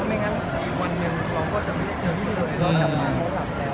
มีโครงการทุกทีใช่ไหม